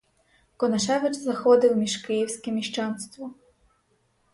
Конашевич заходив між київське міщанство.